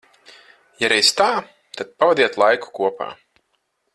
Ja reiz tā, tad pavadiet kopā laiku.